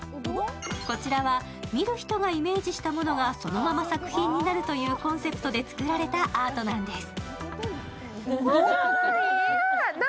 こちらは見る人がイメージしたものがそのまま作品になるというコンセプトで作られたアートなんです。